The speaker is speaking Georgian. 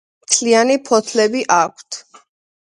მთლიანი ფოთლები აქვთ.